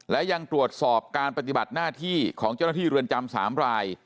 และยังตรวจสอบการปฏิบัติหน้าที่ของเจ้าหน้าที่เรือนจำ๓ราย